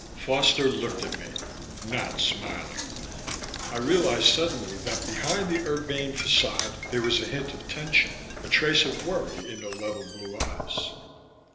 Foster looked at me, not smiling. I realized suddenly that behind the urbane façade there was a hint of tension, a trace of worry in the level blue eyes.